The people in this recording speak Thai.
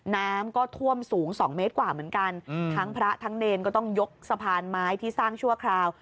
น้ำก็ท่วมสูง๒เมตรกว่าเหมือนกันทั้งพระทั้งเนรก็ต้องยกสะพานไม้ที่สร้างชั่วคราว